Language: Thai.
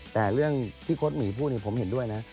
แต่เรื่องที่โค้ดหมีพูดผมเห็นด้วยนะ